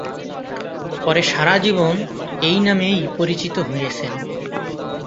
পরে সারা জীবন এই নামেই পরিচিত হয়েছেন।